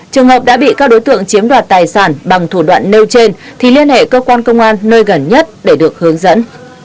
trường hợp đã bị các đối tượng chiếm đoạt tài sản bằng thủ đoạn nêu trên thì liên hệ cơ quan công an nơi gần nhất để được hướng dẫn